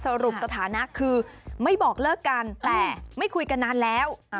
สรุปสถานะคือไม่บอกเลิกกันแต่ไม่คุยกันนานแล้ว